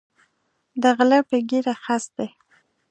د غلۀ پۀ ږیره خس دی